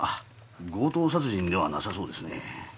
強盗殺人ではなさそうですね。